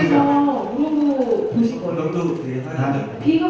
แต่ผมก็โดนแดกไง